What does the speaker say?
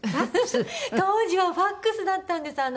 当時はファクスだったんです！